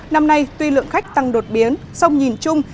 năm nay tuy lượng khách tăng đột biến song nhìn chung